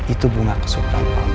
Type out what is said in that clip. itu bunga kesukaan lo